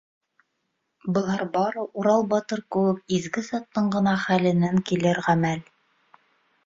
Былар бары Урал батыр кеүек изге заттың ғына хәленән килер ғәмәл.